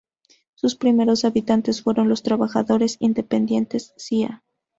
Sus primeros habitantes fueron los trabajadores independientes Cía.